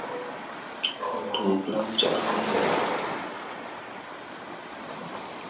Ndɔ nduu blam jar ɓuy le la ?